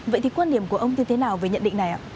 vậy thì quan điểm của ông thì thế nào về nhận định này ạ